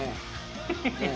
フフフフフ。